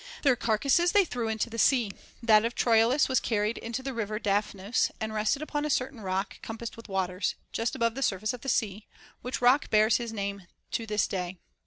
Their carcasses they threw into the sea ; that of Troilus was carried into the river Daphnus, and rested upon a certain rock compassed with waters, just above the surface of the sea, which rock bears his name to this clay.